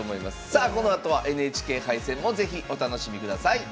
さあこのあとはＮＨＫ杯戦も是非お楽しみください。